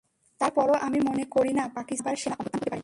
তার পরও আমি মনে করি না, পাকিস্তানে আবার সেনা অভ্যুত্থান হতে পারে।